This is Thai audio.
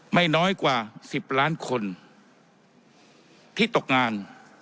ไม่น้อยกว่า๑๐ล้านคนที่ตกงาน